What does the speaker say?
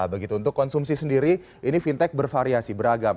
begitu untuk konsumsi sendiri ini fintech bervariasi beragam